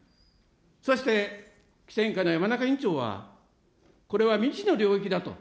そして規制委員会の山中委員長は、これは未知の領域だと。